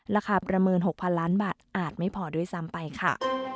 ประเมิน๖๐๐ล้านบาทอาจไม่พอด้วยซ้ำไปค่ะ